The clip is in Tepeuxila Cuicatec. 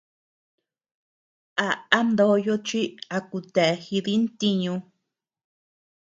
A am ndoyo chi a kutea jidi ntiñu.